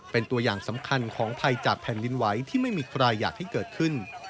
เป็นตัวอย่างสำคัญของภัยจากแผ่นดินไหวที่ไม่มีใครอยากให้เกิดขึ้น